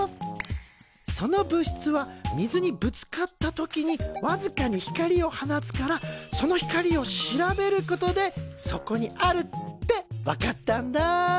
その物質は水にぶつかった時にわずかに光を放つからその光を調べることでそこにあるって分かったんだ。